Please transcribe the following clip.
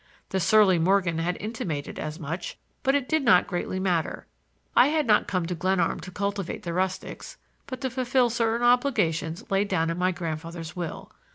The surly Morgan had intimated as much; but it did not greatly matter. I had not come to Glenarm to cultivate the rustics, but to fulfil certain obligations laid down in my grandfather's will.